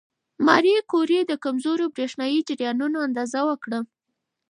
ماري کوري د کمزورو برېښنايي جریانونو اندازه وکړه.